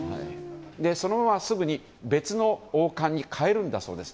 そのまますぐに別の王冠にかえるんだそうです。